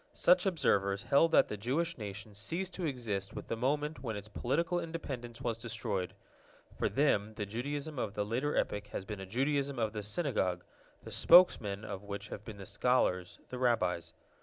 Such observers held that the Jewish nation ceased to exist with the moment when its political independence was destroyed. For them the Judaism of the later epoch has been a Judaism of the Synagogue, the spokesmen of which have been the scholars, the Rabbis.